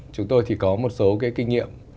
chúng tôi thì có một số cái kinh nghiệm